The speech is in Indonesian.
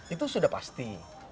itu sudah pasti